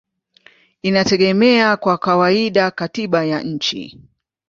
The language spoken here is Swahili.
inategemea kwa kawaida katiba ya nchi.